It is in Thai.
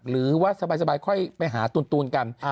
หรือว่าสบายค่อยไปหาตูนกัน